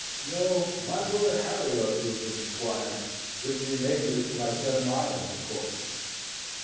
No, my brother Harry ought to have been the squire, with remainder to my son Miles, of course.